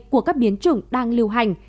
của các biến chủng đang lưu hành